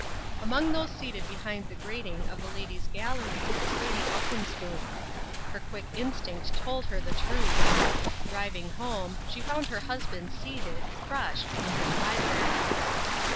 Among those seated behind the grating of the Ladies' Gallery was Lady Elphinspoon. Her quick instinct told her the truth. Driving home, she found her husband seated, crushed, in his library.